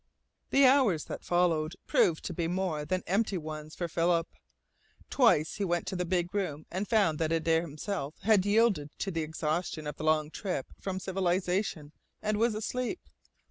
The hours that followed proved to be more than empty ones for Philip. Twice he went to the big room and found that Adare himself had yielded to the exhaustion of the long trip up from civilization, and was asleep.